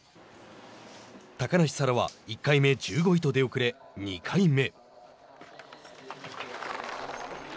高梨沙羅は１回目１５位と出遅れ、２回目。